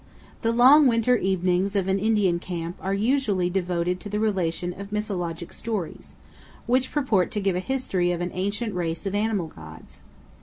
The long winter evenings of an Indian camp are usually devoted to the relation of mythologic stories, which purport to give a history of an ancient race of animal gods.